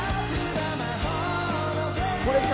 これか。